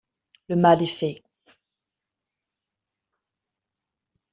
Le mal est fait